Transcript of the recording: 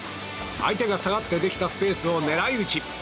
相手が下がってできたスペースを狙い撃ち。